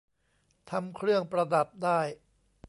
ทำเครื่องประดับได้